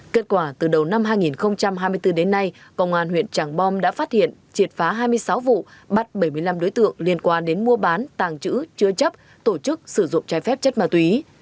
kết quả từ đầu năm hai nghìn hai mươi bốn đến nay công an huyện tràng bom đã phát hiện triệt phá hai mươi sáu vụ bắt bảy mươi năm đối tượng liên quan đến mua bán tàng trữ chưa chấp tổ chức sử dụng trái phép chất ma túy